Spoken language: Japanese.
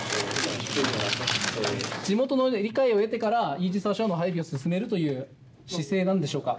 地元のね理解を得てからイージス・アショアの配備を進めるという姿勢なんでしょうか？